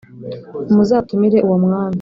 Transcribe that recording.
muzatumire uwo mwami